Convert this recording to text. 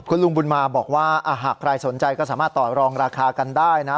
คุณลุงบุญมาบอกว่าหากใครสนใจก็สามารถต่อรองราคากันได้นะ